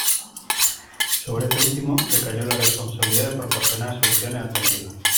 Sobre este último, recayó la responsabilidad de proporcionar soluciones alternativas.